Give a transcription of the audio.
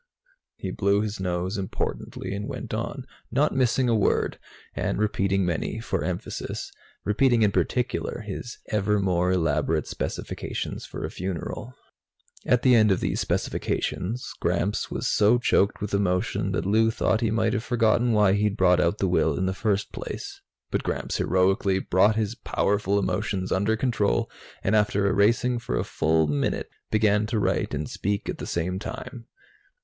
He blew his nose importantly and went on, not missing a word, and repeating many for emphasis repeating in particular his ever more elaborate specifications for a funeral. At the end of these specifications, Gramps was so choked with emotion that Lou thought he might have forgotten why he'd brought out the will in the first place. But Gramps heroically brought his powerful emotions under control and, after erasing for a full minute, began to write and speak at the same time.